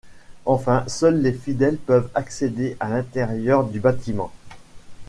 Enfin, seuls les fidèles peuvent accéder à l'intérieur du bâtiment.